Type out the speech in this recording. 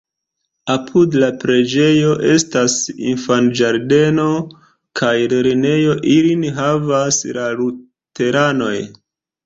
Apud la preĝejo estas infanĝardeno kaj lernejo, ilin havas la luteranoj.